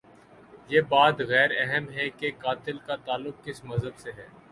یہ بات غیر اہم ہے کہ قاتل کا تعلق کس مذہب سے ہے۔